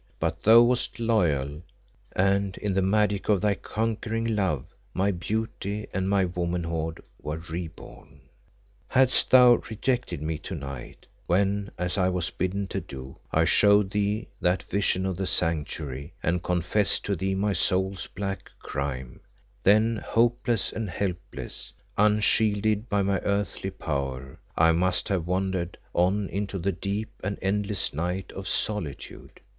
But thou wast loyal, and in the magic of thy conquering love my beauty and my womanhood were re born. "Hadst thou rejected me to night, when, as I was bidden to do, I showed thee that vision in the Sanctuary and confessed to thee my soul's black crime, then hopeless and helpless, unshielded by my earthly power, I must have wandered on into the deep and endless night of solitude.